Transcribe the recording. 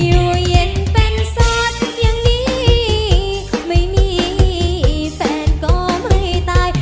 อยู่เย็นเป็นสดอย่างนี้ไม่มีแฟนก็ไม่ตาย